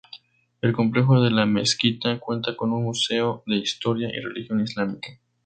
El complejo de la mezquita cuenta con un museo de historia y religión islámica.